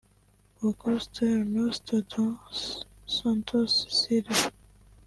Augusto Ernesto dos Santos Silva